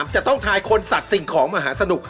จะต้องทายคนสัตว์สิ่งของมหาสนุก